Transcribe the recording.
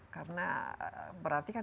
karena berarti kan